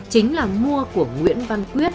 chính là mua của nguyễn văn quyết